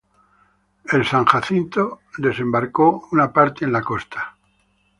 El "San Jacinto" luego desembarcó una parte en la costa.